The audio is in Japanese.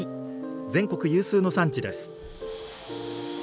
全国有数の産地です。